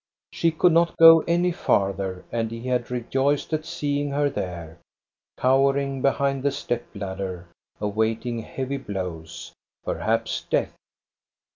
She could not go any farther, and he had rejoiced at seeing her there, cowering behind the step ladder, awaiting heavy blows, perhaps death.